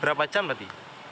berapa jam tadi